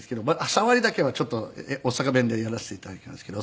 さわりだけはちょっと大阪弁でやらせて頂きますけど。